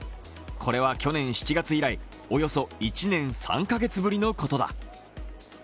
これは去年７月以来、およそ１年３カ月ぶりのことだ。